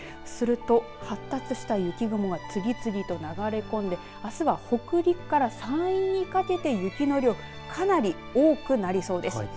すると、発達した雪雲が次々と流れ込んであすは北陸から山陰にかけて雪の量かなり多くなりそうです。